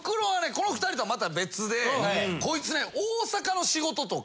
この２人とはまた別でこいつね。